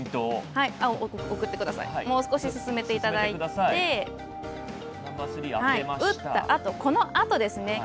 もう少し進めていただいて打ったあと、このあとですね。